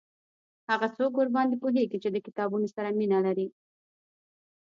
هغه څوک ورباندي پوهیږي چې د کتابونو سره مینه لري